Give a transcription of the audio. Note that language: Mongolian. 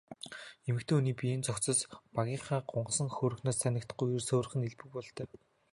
Эмэгтэй хүний бие цогцос багынхаа гунхсан хөөрхнөөс танигдахгүй эрс хувирах нь элбэг бололтой.